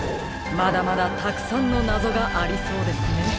まだまだたくさんのなぞがありそうですね。